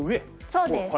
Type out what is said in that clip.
そうです。